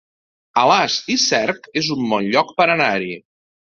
Alàs i Cerc es un bon lloc per anar-hi